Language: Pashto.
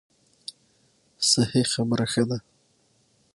صحیح خبره ښه ده.